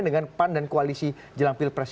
dengan pan dan koalisi jelang pilpres